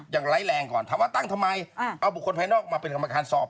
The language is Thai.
อย่างไร้แรงก่อนถามว่าตั้งทำไมเอาบุคคลภายนอกมาเป็นกรรมการสอบ